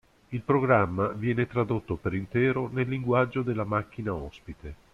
Il programma viene tradotto per intero nel linguaggio della macchina ospite.